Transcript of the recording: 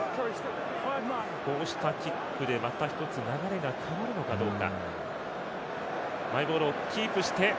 こうしたキックで、また一つ流れが変わるのかどうか。